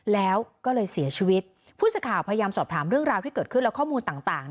แล้วก็เลยเสียชีวิตผู้สื่อข่าวพยายามสอบถามเรื่องราวที่เกิดขึ้นและข้อมูลต่าง